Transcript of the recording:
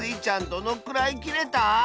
どのくらいきれた？